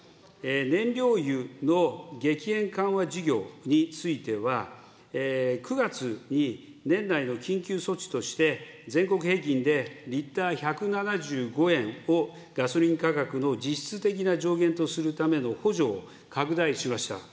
燃料油の激変緩和事業については、９月に年内の緊急措置として、全国平均でリッター１７５円をガソリン価格の実質的な上限とするための補助を拡大しました。